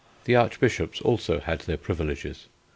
The Archbishops also had their privileges.